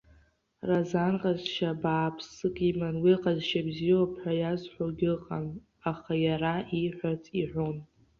Разан ҟазшьа бааԥск иман, уи ҟазшьа бзиоуп ҳәа иазҳәозгьы ыҟан, аха иара ииҳәац иҳәон.